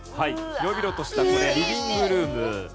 「広々としたこれリビングルーム」